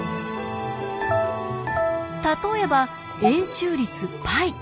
例えば円周率π。